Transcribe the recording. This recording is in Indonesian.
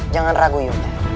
jangan ragu yuta